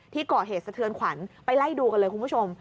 ที่ก่อเหตุสะเทือนขวัญไปไล่ดูกันเลยคุณผู้ชม